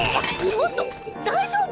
ちょっと大丈夫！？